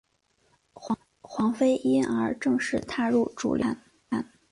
黄妃因而正式踏入主流乐坛。